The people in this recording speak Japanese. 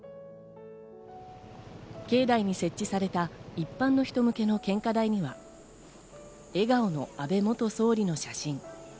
境内に設置された一般の人向けの献花台には笑顔の安倍元総理の写真。